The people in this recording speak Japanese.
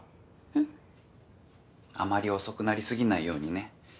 あまり遅くなり過ぎないようにね。